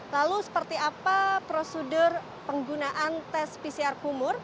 lalu seperti apa prosedur penggunaan tes pcr kumur